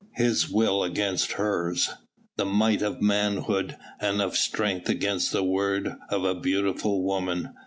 His will against hers! The might of manhood and of strength against the word of a beautiful woman.